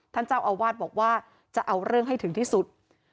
ท่านเจ้าอาวาสบอกว่าจะเอาเรื่องให้ถึงที่สุด